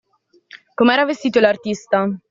Com’era vestito, l’artista?